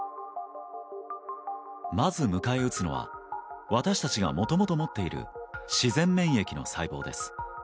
まず迎え撃つのは私たちがもともと持っている自然免疫の細胞です。